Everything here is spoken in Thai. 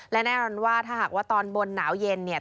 และแน่นอนว่าถ้าหากว่าตอนบนหนาวเย็นเนี่ย